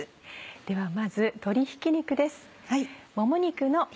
ではまず鶏ひき肉です。